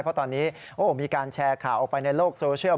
เพราะตอนนี้มีการแชร์ข่าวออกไปในโลกโซเชียล